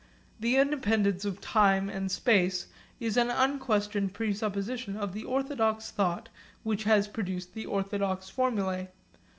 The independence of time and space is an unquestioned presupposition of the orthodox thought which has produced the orthodox formulae.